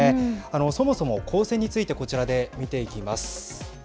そもそも高専についてこちらで見ていきます。